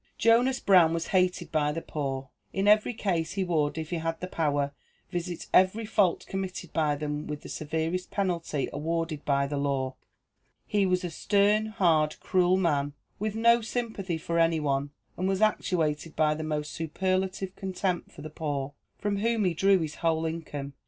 Jonas Brown was hated by the poor. In every case he would, if he had the power, visit every fault committed by them with the severest penalty awarded by the law. He was a stern, hard, cruel man, with no sympathy for any one, and was actuated by the most superlative contempt for the poor, from whom he drew his whole income.